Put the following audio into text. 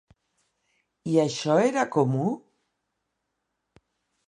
I això era comú?